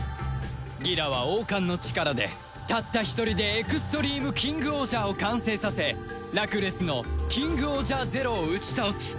ギラは王冠の力でたった一人でエクストリームキングオージャーを完成させラクレスのキングオージャー ＺＥＲＯ を打ち倒す